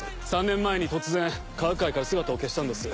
３年前に突然科学界から姿を消したんです。